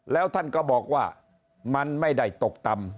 แล้วท่านก็บอกว่ามันไม่ได้ตกต่ำ